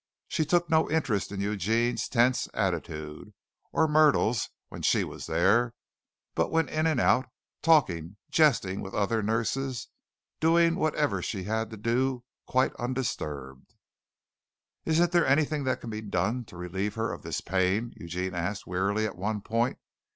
She took no interest in Eugene's tense attitude, or Myrtle's when she was there, but went in and out, talking, jesting with other nurses, doing whatever she had to do quite undisturbed. "Isn't there anything that can be done to relieve her of this pain?" Eugene asked wearily at one point.